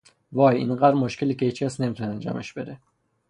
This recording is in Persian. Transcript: وای، اینقدر مشکله که هیچکس نمیتونه انجامش بده.